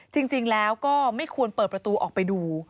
จริงแล้วก็ไม่ควรเปิดประตูออกไปดู